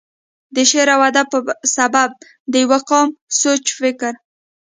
دَ شعر و ادب پۀ سبب دَ يو قام سوچ فکر،